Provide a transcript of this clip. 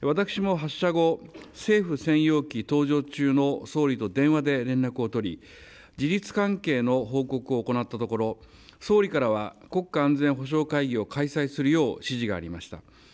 私も発射後、政府専用機搭乗中の総理と電話で連絡を取り、事実関係の報告を行ったところ、総理からは、国家安全保障会議を開催するよう指示がありました。